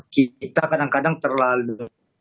kita kadang kadang terlalu